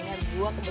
tunggu pak be